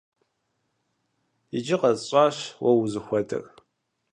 Иджы къэсщӏащ уэ узыхуэдэр.